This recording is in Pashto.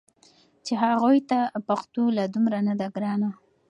چې هغوی ته پښتو لا دومره نه ده ګرانه